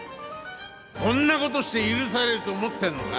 こんなことして許されると思ってんのか？